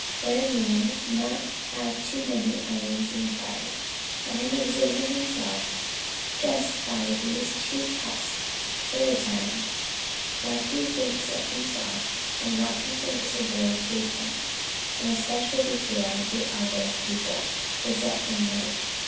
Let a man not have too many irons in the fire; let him examine himself just by these two tests for the time what he thinks of himself, and what he thinks of those who attempt, and especially before other people, to set him right.